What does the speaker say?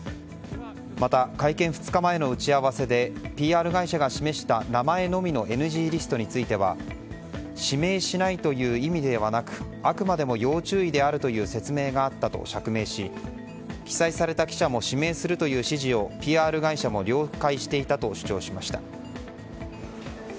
また、会見２日前の打ち合わせでＰＲ会社が示した名前のみのＮＧリストについては指名しないという意味ではなくあくまでも要注意であるという説明があったと釈明し記載された記者も指名するという指示をＰＲ会社も了解していたと主張しました。